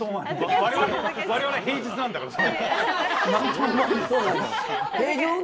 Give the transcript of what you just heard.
我々平日なんだからその日。